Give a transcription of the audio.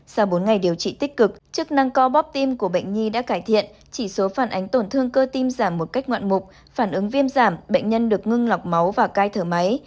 sau bốn ngày điều trị tích cực chức năng co bóp tim của bệnh nhi đã cải thiện chỉ số phản ánh tổn thương cơ tim giảm một cách ngoạn mục phản ứng viêm giảm bệnh nhân được ngưng lọc máu và cai thở máy